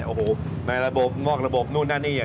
โอ้โหในระบบงอกระบบนู่นนั่นนี่